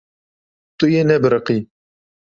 Tu yê nebiriqî.